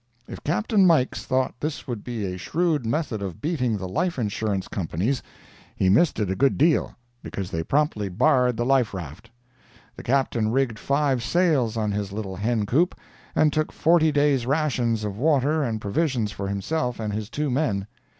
If Capt. Mikes thought this would be a shrewd method of beating the life insurance companies he missed it a good deal, because they promptly barred the life raft. The Captain rigged five sails on his little hen coop, and took forty days' rations of water and provisions for himself and his two men.